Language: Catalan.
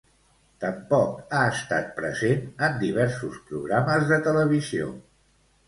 Tampoc ha estat present en diversos programes de televisió.